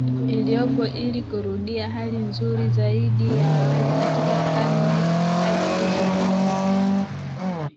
iliyopo ili kurudia hali nzuri zaidi ya awali Katika Karne za Kati lilitumika